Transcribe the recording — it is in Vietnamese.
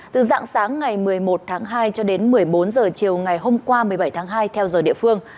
từ dạng sáng ngày một mươi một tháng hai cho đến một mươi bốn h chiều ngày hôm qua một mươi bảy tháng hai theo giờ địa phương